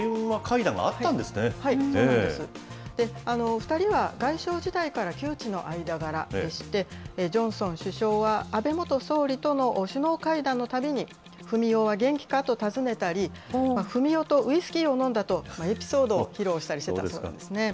２人は外相時代から旧知の間柄でして、ジョンソン首相は、安倍元総理との首脳会談のたびに、フミオは元気か？と尋ねたり、フミオとウイスキーを飲んだと、エピソードを披露してたそうですね。